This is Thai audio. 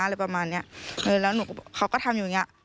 อะไรประมาณนี้แล้วเขาก็ทำอยู่อย่างนี้